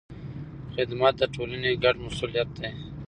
خدمت د ټولنې ګډ مسؤلیت دی.